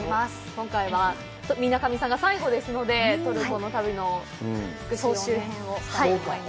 今回は水上さんが最後ですので、トルコの旅の総集編をしたいと思います。